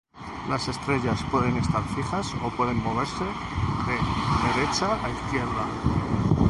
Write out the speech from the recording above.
Las estrellas pueden estar fijas o pueden moverse de derecha a izquierda.